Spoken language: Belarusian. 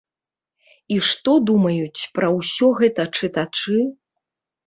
І што думаюць пра ўсё гэта чытачы?